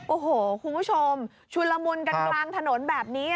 โอ้โหคุณผู้ชมชุนละมุนกันกลางถนนแบบนี้